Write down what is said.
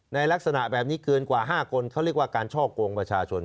ลักษณะแบบนี้เกินกว่า๕คนเขาเรียกว่าการช่อกงประชาชน